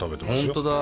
本当だ。